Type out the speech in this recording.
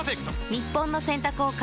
日本の洗濯を変える１本。